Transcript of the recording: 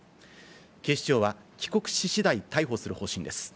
警視庁は帰国し次第、逮捕する方針です。